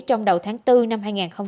trong đầu tháng bốn năm hai nghìn hai mươi